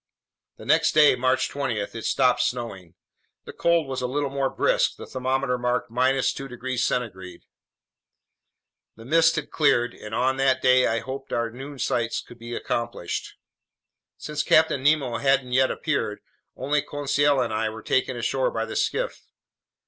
The next day, March 20, it stopped snowing. The cold was a little more brisk. The thermometer marked 2 degrees centigrade. The mist had cleared, and on that day I hoped our noon sights could be accomplished. Since Captain Nemo hadn't yet appeared, only Conseil and I were taken ashore by the skiff.